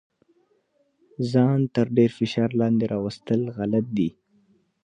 ځان تر ډیر فشار لاندې راوستل غلط دي.